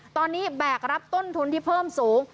ตอนนี้แบกรับต้นทุนที่เพิ่มสูง